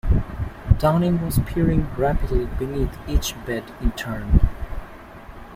Downing was peering rapidly beneath each bed in turn.